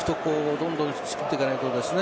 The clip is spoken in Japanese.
どんどんつくっていかないとですね